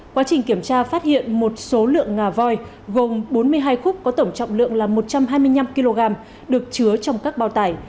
quá trình kiểm tra phát hiện một số lượng ngà voi gồm bốn mươi hai khúc có tổng trọng lượng là một trăm hai mươi năm kg được chứa trong các bao tải